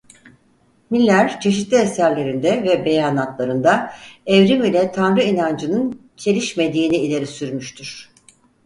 Miller çeşitli eserlerinde ve beyanatlarında evrim ile Tanrı inancının çelişmediğini ileri sürmüştür.